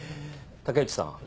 竹内さん